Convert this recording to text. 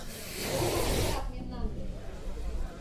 Тол вашкерак мемнан дек